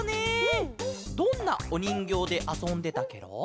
どんなおにんぎょうであそんでたケロ？